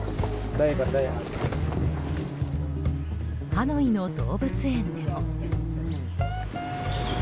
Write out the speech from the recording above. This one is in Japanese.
ハノイの動物園でも。